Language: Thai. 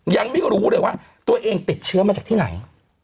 ยังไม่รู้เลยว่าตัวเองติดเชื้อมาจากที่ไหน